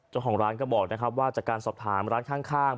เจ้าของร้านก็บอกนะครับว่าจากการสอบถามร้านข้าง